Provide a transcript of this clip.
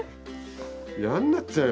やんなっちゃうよ。